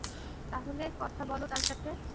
তাহলে কথা বল তার সাথে।